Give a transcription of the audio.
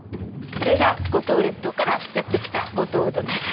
これが五島列島からやって来た五島うどんです。